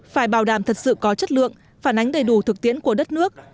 phải bảo đảm thật sự có chất lượng phản ánh đầy đủ thực tiễn của đất nước